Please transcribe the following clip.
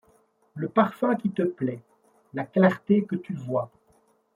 Le parfum qui te plaît, la clarté que tu vois